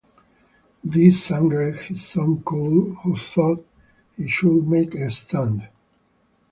This angered his son Cole who thought he should make a stand.